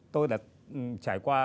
tôi đã trải qua